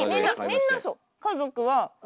みんなそう。